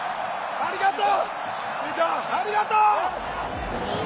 ありがとう！